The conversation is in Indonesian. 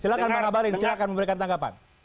silahkan mengabalin silahkan memberikan tanggapan